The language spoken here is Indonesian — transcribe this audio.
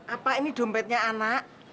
apa ini dompetnya anak